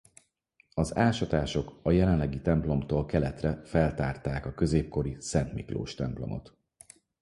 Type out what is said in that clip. Az ásatások a jelenlegi templomtól keletre feltárták a középkori Szent Miklós-templomot.